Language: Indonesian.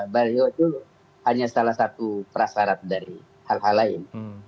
baliho itu hanya salah satu prasarat dari hal hal lain